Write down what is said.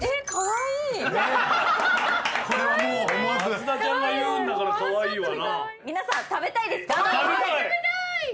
松田ちゃんが言うんだからカワイイわな。